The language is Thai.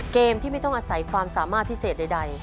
เกมที่ไม่ต้องอาศัยความสามารถพิเศษใด